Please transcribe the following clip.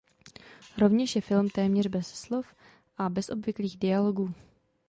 Rovněž je film téměř beze slov a bez obvyklých dialogů.